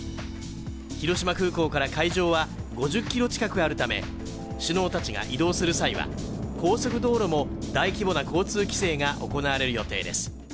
広島空港から会場は５０ｋｍ近くあるため首脳たちが移動する際は、高速道路も大規模な交通規制が行われる予定です。